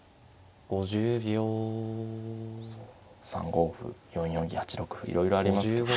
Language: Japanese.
３五歩４四銀８六歩いろいろありますけど。